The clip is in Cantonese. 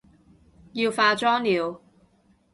要化妝了